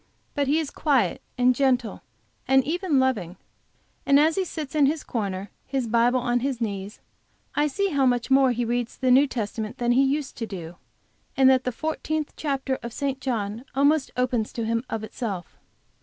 But he is quiet and gentle, and even loving, and as he sits in his corner, his Bible on his knees, I see how much more he reads the New Testament than he used to do, and that the fourteenth chapter of St. John almost opens to him of itself.